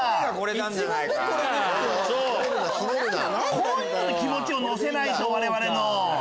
こういうので気持ちを乗せないと我々の。